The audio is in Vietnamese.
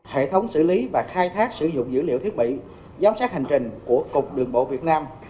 hệ thống xử lý và khai thác sử dụng dữ liệu thiết bị giám sát hành trình của cục đường bộ việt nam